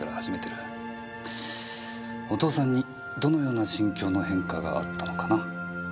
お父さんにどのような心境の変化があったのかな？